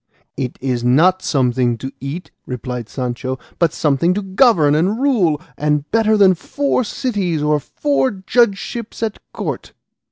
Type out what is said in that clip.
"It is not something to eat," replied Sancho, "but something to govern and rule, and better than four cities or four judgeships at court."